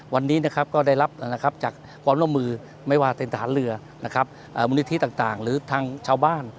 วันนี้ก็ได้รับจากความร่วมมือไม่ว่าเป็นฐานเรือมุมนิทธิต่างหรือชาวบ้าน